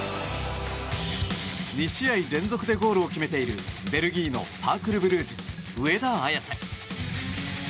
２試合連続でゴールを決めているベルギーのサークル・ブルージュ上田綺世。